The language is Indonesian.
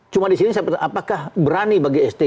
cuma di sini apakah berani bagi sti